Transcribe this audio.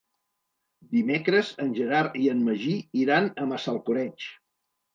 Dimecres en Gerard i en Magí iran a Massalcoreig.